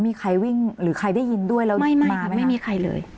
มีใครวิ่งหรือใครได้ยินด้วยแล้วมาไม่มีใครเลย